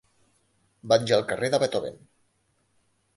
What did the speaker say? Vaig al carrer de Beethoven.